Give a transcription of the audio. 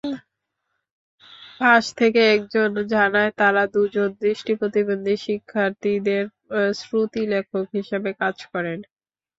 পাশ থেকে একজন জানায় তারা দুজন দৃষ্টিপ্রতিবন্ধী শিক্ষার্থীদের শ্রুতিলেখক হিসেবে কাজ করছেন।